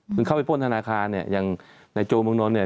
ตอนเขาไปป้นธนาคารอย่างในนี้จูบมึงน้นเนี่ย